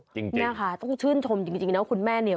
จริงเนี่ยค่ะต้องชื่นชมจริงนะคุณแม่เนี่ย